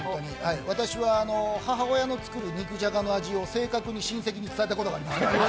私は母親の作る肉じゃがの味を親戚に正確に伝えたことがあります。